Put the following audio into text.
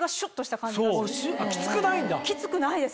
きつくないんだ？